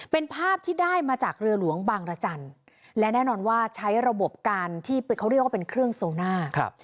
เป็นภาพที่ได้มาจากเรือหลวงบางรจันทร์และแน่นอนว่าใช้ระบบการที่เขาเรียกว่าเป็นเครื่องโซน่าครับ